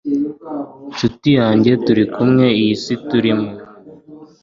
ncuti yanjye turi kumwe, iyi si turimo